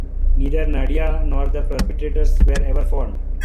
Neither Nadia nor the perpetrators were ever found.